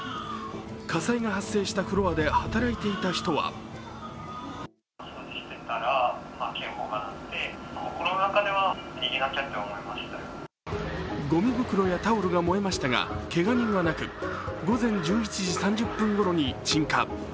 火災が発生したフロアで働いていた人はゴミ袋やタオルが燃えましたが午前１１時３０分ごろに鎮火。